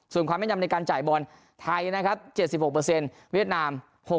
ส่วนความแม่นยำในการจ่ายบอลไทยนะครับ๗๖เวียดนาม